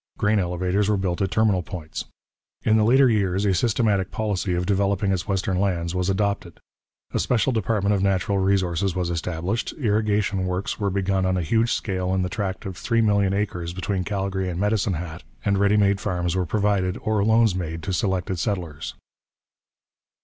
Grain elevators were built at terminal points. In the later years a systematic policy of developing its western lands was adopted. A special department of Natural Resources was established, irrigation works were begun on a huge scale in the tract of three million acres between Calgary and Medicine Hat, and ready made farms were provided or loans made to selected settlers.